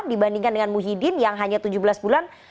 dibandingkan dengan muhyiddin yang hanya tujuh belas bulan